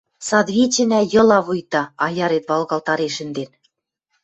Садвичӹнӓ йыла вуйта: аярет валгалтарен шӹнден.